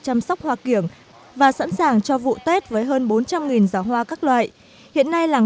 chăm sóc hoa kiểng và sẵn sàng cho vụ tết với hơn bốn trăm linh gió hoa các loại